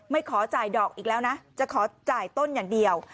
ขอจ่ายดอกอีกแล้วนะจะขอจ่ายต้นอย่างเดียว